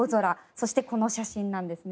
そして、この写真なんですね。